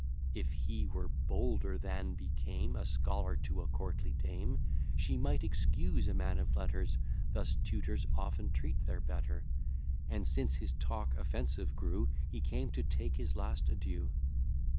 If he were bolder than became A scholar to a courtly dame, She might excuse a man of letters; Thus tutors often treat their better; And, since his talk offensive grew, He came to take his last adieu.